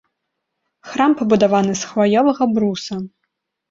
Храм пабудаваны з хваёвага бруса.